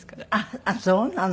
ああそうなの。